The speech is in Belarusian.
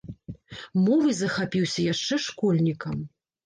Мовай захапіўся яшчэ школьнікам.